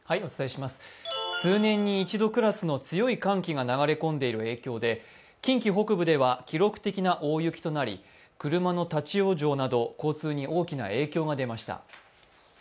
数年に一度クラスの強い寒気が流れ込んでいる影響で近畿北部では記録的な大雪となり、車の立往生など交通に大きな影響が出ました。